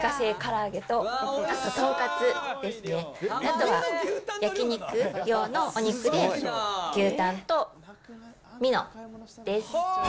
あとは焼き肉用のお肉で、牛タンとミノです。